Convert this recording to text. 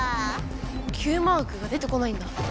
Ｑマークが出てこないんだ。